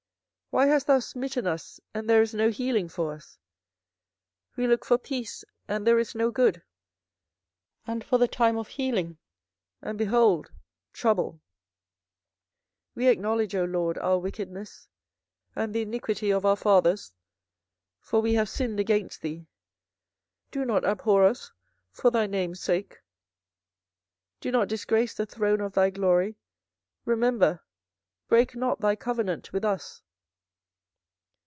why hast thou smitten us, and there is no healing for us? we looked for peace, and there is no good; and for the time of healing, and behold trouble! 24:014:020 We acknowledge, O LORD, our wickedness, and the iniquity of our fathers: for we have sinned against thee. 24:014:021 Do not abhor us, for thy name's sake, do not disgrace the throne of thy glory: remember, break not thy covenant with us.